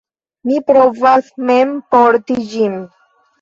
Mi provas mem porti ĝin.